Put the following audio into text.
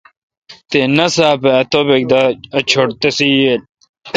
تے ناساپ اے°توبک اے چھٹ تسے°ییل۔